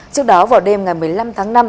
trước đó vào đêm ngày một mươi năm tháng năm